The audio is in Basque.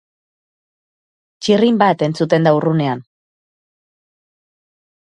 Txirrin bat entzuten da urrunean.